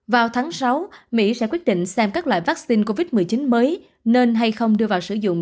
vào tháng sáu mỹ sẽ quyết định xem các loại vaccine covid một mươi chín mới nên hay không đưa vào sử dụng